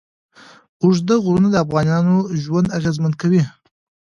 اوږده غرونه د افغانانو ژوند اغېزمن کوي.